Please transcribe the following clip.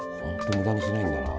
無駄にしないんだな。